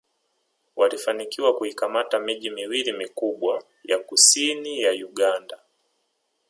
Walifanikiwa kuikamata miji miwili mikubwa ya kusini ya Uganda